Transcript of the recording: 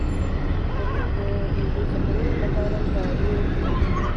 تنور د ډوډۍ پخولو لپاره کارېږي